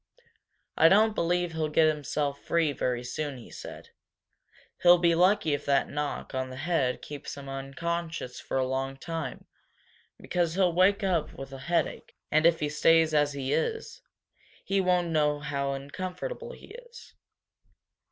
"I don't believe he'll get himself free very soon," he said. "He'll be lucky if that knock on the head keeps him unconscious for a long time, because he'll wake up with a headache, and if he stays as he is he won't know how uncomfortable he is."